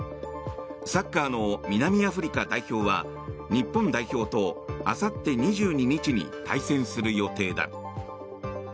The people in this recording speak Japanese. サッカーの南アフリカ代表は日本代表とあさって２２日に対戦する予定だ。